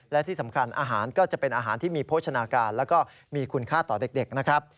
และที่สำคัญอาหารก็จะเป็นอาหารที่มีโภชนาการแล้วก็มีคุณค่าต่อเด็กนะครับ